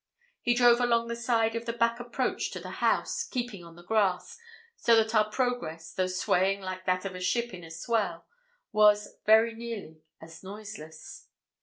He drove along the side of the back approach to the house, keeping on the grass; so that our progress, though swaying like that of a ship in a swell, was very nearly as noiseless.